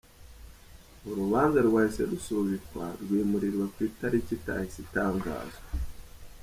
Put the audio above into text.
Urubanza rwahise rusubikwa, rwimurirwa ku itariki itahise itangazwa.